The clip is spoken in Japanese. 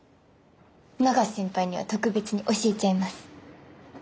永瀬先輩には特別に教えちゃいます。